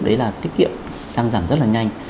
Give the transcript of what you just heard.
đấy là tiết kiệm đang giảm rất là nhanh